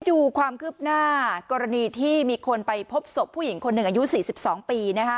ดูความคืบหน้ากรณีที่มีคนไปพบศพผู้หญิงคนหนึ่งอายุ๔๒ปี